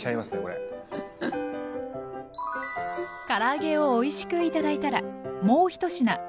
から揚げをおいしく頂いたらもう１品。